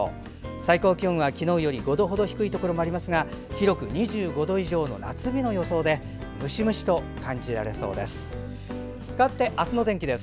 最高気温は昨日より５度ほど低いところもありますが広く２５度以上の夏日の予想でムシムシと感じられそうです。